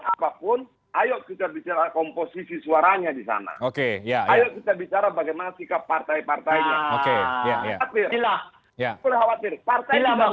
itu jauh hari jauh hari sebelum